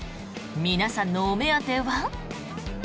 皆さんのお目当ては。